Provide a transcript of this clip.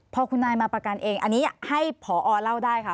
พอคุณนายมาประกันเองอันนี้ให้ผอเล่าได้ค่ะ